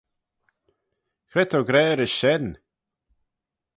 Cre t'ou gra rish shen?